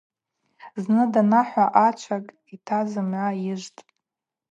Зны данахва ачвакӏ йтаз зымгӏва йыжвтӏ.